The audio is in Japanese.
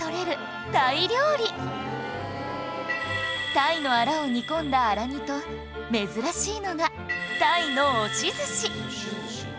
鯛のあらを煮込んだあら煮と珍しいのが鯛の押し寿司